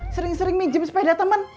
sering sering minjem sepeda teman